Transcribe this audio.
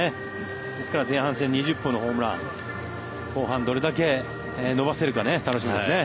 ですから前半戦２０本のホームラン後半、どれだけ伸ばせるか楽しみですね。